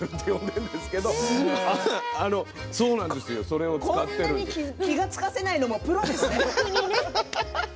こんなに気が付かせないのはプロですね。